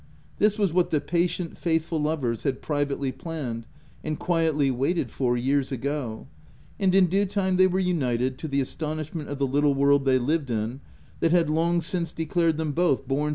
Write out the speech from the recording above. This was what the patient, faithful lovers had privately planned, and quietly waited for years ago ; and in due time they were united, to the astonishment of the little world they lived in, that had long since declared them both born OF W1LDFELL HALL.